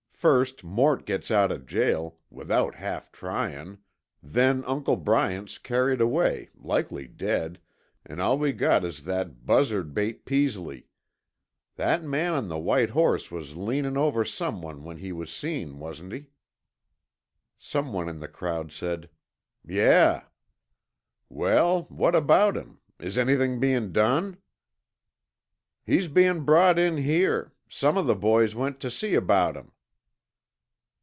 First Mort gets out of jail, without half tryin', then Uncle Bryant's carried away, likely dead, an' all we got is that buzzard bait Peasley. That man on the white horse was leaning over someone when he was seen, wasn't he?" Someone in the crowd said, "Yeah." "Well, what about him? Is anything bein' done?" "He's bein' brought in here. Some of the boys went tuh see about him."